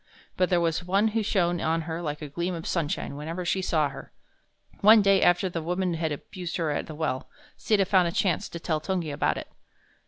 But there was one who shone on her like a gleam of sunshine whenever she saw her. One day after the woman had abused her at the well, Sita found a chance to tell Tungi about it.